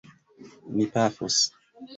Ni pafos.